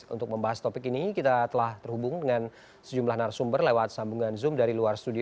untuk membahas topik ini kita telah terhubung dengan sejumlah narasumber lewat sambungan zoom dari luar studio